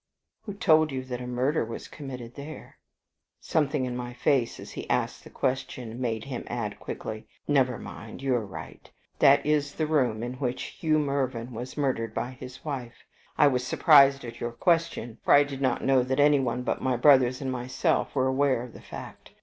"Who told you that a murder was committed there?" Something in my face as he asked the question made him add quickly, "Never mind. You are right. That is the room in which Hugh Mervyn was murdered by his wife. I was surprised at your question, for I did not know that anyone but my brothers and myself were aware of the fact.